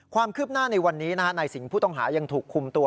ความคืบหน้าในวันนี้นายสิงห์ผู้ต้องหายังถูกคุมตัว